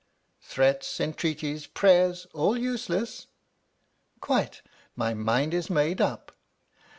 "Threats, entreaties, prayers all useless?" " Quite. My mind is made up."